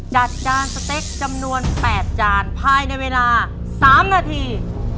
จานสเต็กจำนวน๘จานภายในเวลา๓นาที